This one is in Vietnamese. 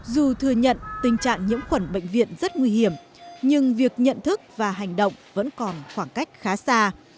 dù thừa nhận tình trạng nhiễm khuẩn bệnh viện rất nguy hiểm nhưng việc nhận thức và hành động vẫn còn khoảng cách khá xa